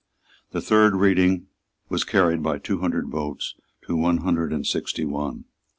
The third reading was carried by two hundred votes to a hundred and sixty one.